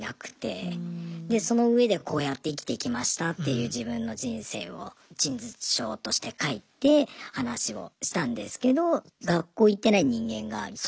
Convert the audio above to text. でその上でこうやって生きてきましたっていう自分の人生を陳述書として書いて話をしたんですけど。